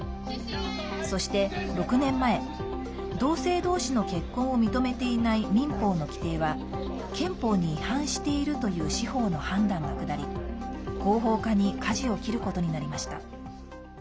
そして６年前、同性同士の結婚を認めていない民法の規定は憲法に違反しているという司法の判断が下り合法化にかじを切ることになりました。